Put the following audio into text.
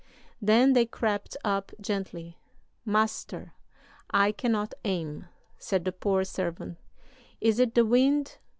"Then they crept up gently. 'Master, I cannot aim,' said the poor servant; 'is it the wind?